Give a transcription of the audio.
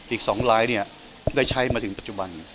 อีก๒ลายได้ใช้มาถึงปัจจุบัน